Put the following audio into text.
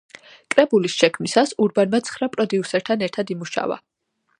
კრებულის შექმნისას ურბანმა ცხრა პროდიუსერთან ერთად იმუშავა.